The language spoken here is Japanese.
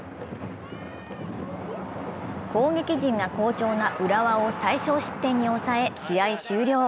攻撃陣が好調な浦和を最少失点に抑え試合終了。